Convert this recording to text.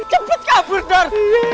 cepet kabur dar